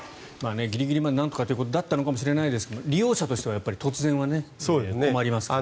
ギリギリまでなんとかということだったのかもしれませんが利用者としては突然は困りますから。